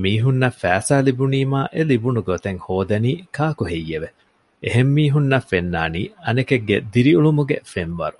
މީހުންނަށް ފައިސާ ލިބުނީމާ އެލިބުނު ގޮތެއް ހޯދަނީ ކާކުހެއްޔެވެ؟ އެހެން މީހުންނަށް ފެންނާނީ އަނެކެއްގެ ދިރިއުޅުމުގެ ފެންވަރު